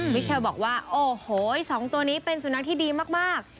เชลบอกว่าโอ้โห๒ตัวนี้เป็นสุนัขที่ดีมาก